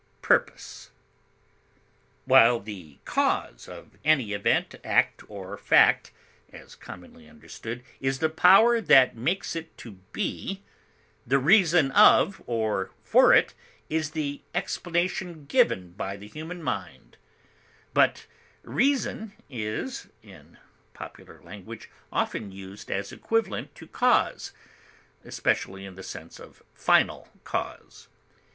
argument, design, While the cause of any event, act, or fact, as commonly understood, is the power that makes it to be, the reason of or for it is the explanation given by the human mind; but reason is, in popular language, often used as equivalent to cause, especially in the sense of final cause.